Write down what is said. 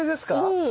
うん。